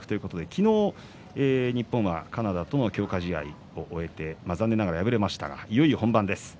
昨日、日本はカナダとの強化試合残念ながら敗れましたがいよいよ本番です。